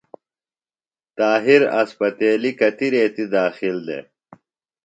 طاہر اسپتیلیۡ کتیۡ ریتیۡ داخل دےۡ؟